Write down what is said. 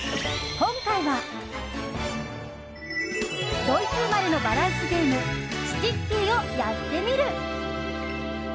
今回はドイツ生まれのバランスゲームスティッキーをやってみる。